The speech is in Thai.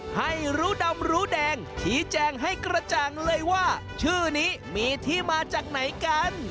ให้รู้ดำรู้แดงชี้แจงให้กระจ่างเลยว่าชื่อนี้มีที่มาจากไหนกัน